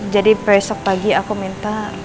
jadi besok pagi aku minta